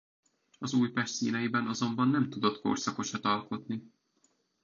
Az Újpest színeiben azonban nem tudott korszakosat alkotni.